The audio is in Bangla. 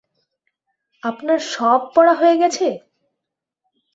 আপনার স–ব পড়া হয়ে গেছে?